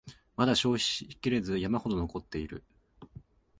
まだ消費しきれず山ほど残ってる